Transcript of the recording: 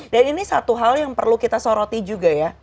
dan ini satu hal yang perlu kita soroti juga ya